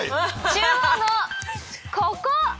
中央のここ！